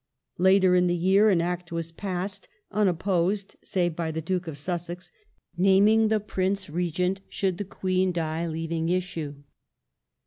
Later in the year an Act was passed, unopposed save by the Duke of Sussex, naming the Prince Regent, should the Queen die leaving issue.